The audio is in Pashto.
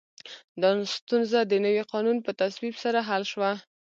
دا ستونزه د نوي قانون په تصویب سره حل شوه.